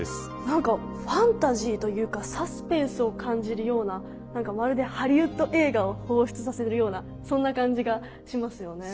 何かファンタジーというかサスペンスを感じるような何かまるでハリウッド映画を彷彿させるようなそんな感じがしますよね。